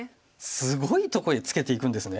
すごいとこへツケていくんですね。